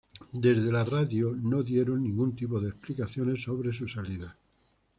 Desde la radio no dieron ningún tipo de explicaciones sobre su salida.